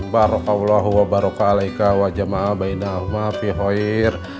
barokallah wabarakatuh alaika wajahma'a bainah mafihoir